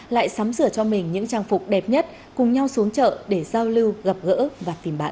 lại sắm sửa cho mình những trang phục đẹp nhất cùng nhau xuống chợ để giao lưu gặp gỡ và tìm bạn